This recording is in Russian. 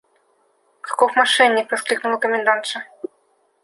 – Каков мошенник! – воскликнула комендантша.